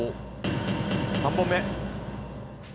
３本目。